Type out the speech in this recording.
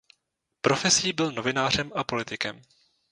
Profesí byl novinářem a politikem.